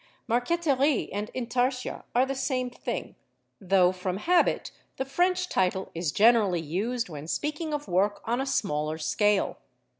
Marqueterie and Intarsia are the same thing, though from habit the French title is generally used when speaking of work on a smaller scale.